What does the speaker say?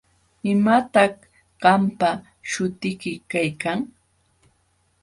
¿Imataq qampa śhutiyki kaykan?